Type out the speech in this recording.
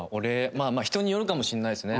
まあまあ人によるかもしれないですね。